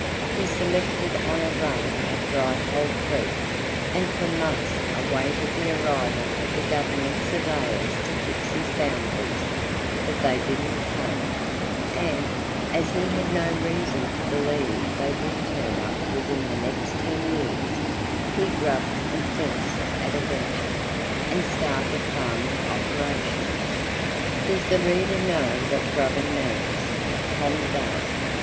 He selected on a run at Dry Hole Creek, and for months awaited the arrival of the government surveyors to fix his boundaries; but they didn't come, and, as he had no reason to believe they would turn up within the next ten years, he grubbed and fenced at a venture, and started farming operations. Does the reader know what grubbing means? Tom does.